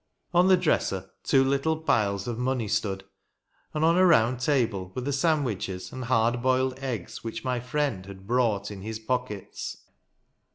On the dresser two little piles of money stood, and on a round table were the sand wiches and hard boiled eggs which my friend had brought in his pockets.